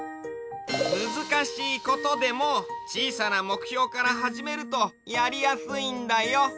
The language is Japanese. むずかしいことでもちいさなもくひょうからはじめるとやりやすいんだよ。